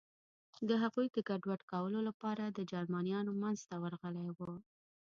د هغوی د ګډوډ کولو لپاره د جرمنیانو منځ ته ورغلي و.